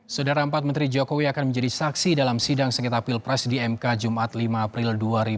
saudara empat menteri jokowi akan menjadi saksi dalam sidang sengketa pilpres di mk jumat lima april dua ribu dua puluh